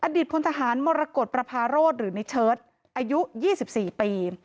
พลทหารมรกฏประพาโรธหรือในเชิดอายุ๒๔ปี